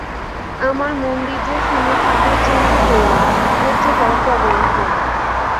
আমার মন্দির যে শূন্য থাকবার জন্যেই তৈরি, ওর যে দরজা বন্ধ।